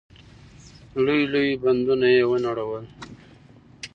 لوی لوی بندونه يې ونړول.